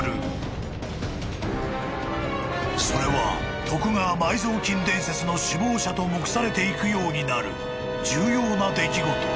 ［それは徳川埋蔵金伝説の首謀者と目されていくようになる重要な出来事］